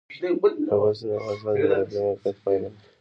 د کابل سیند د افغانستان د جغرافیایي موقیعت پایله ده.